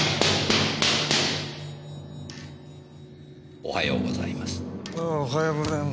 おはようございます。